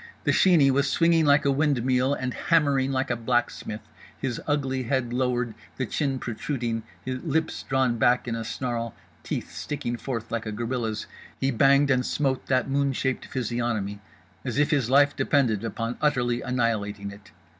The Sheeney was swinging like a windmill and hammering like a blacksmith. His ugly head lowered, the chin protruding, lips drawn back in a snarl, teeth sticking forth like a gorilla's, he banged and smote that moon shaped physiognomy as if his life depended upon utterly annihilating it.